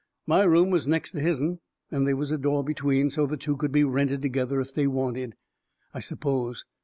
My room was next to his'n, and they was a door between, so the two could be rented together if wanted, I suppose.